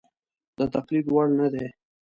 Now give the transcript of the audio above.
د تقلید وړ نه دي.